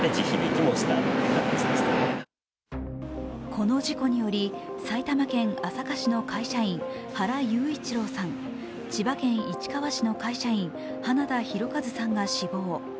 この事故により、埼玉県朝霞市の会社員、原裕一郎さん、千葉県市川市の会社員、花田大和さんが死亡。